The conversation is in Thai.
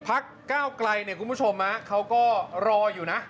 พักก้าวไกลเนี่ยคุณผู้ชมเขาก็รออยู่นะ